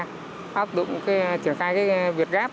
cây mãng cầu được triển khai việt gáp